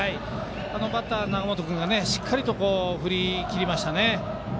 バッターの永本君がしっかりと振り切りましたね。